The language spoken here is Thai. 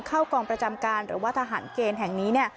เข้ากองประจำการหรือว่าทหารเกณฑ์แห่งนี้เนี่ย